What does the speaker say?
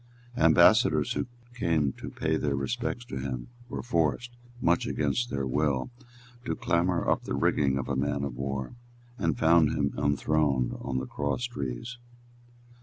Ambassadors who came to pay their respects to him were forced, much against their will, to clamber up the rigging of a man of war, and found him enthroned on the cross trees.